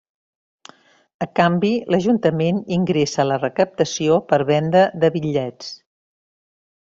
A canvi l'Ajuntament ingressa la recaptació per venda de bitllets.